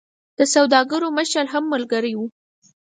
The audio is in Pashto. د سوداګرو مشر هم ملګری وو.